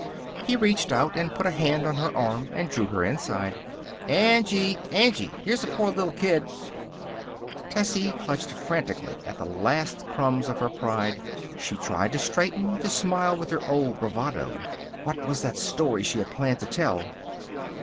He reached out and put a hand on her arm and drew her inside. "Angie! Angie! Here's a poor little kid " Tessie clutched frantically at the last crumbs of her pride. She tried to straighten, to smile with her old bravado. What was that story she had planned to tell?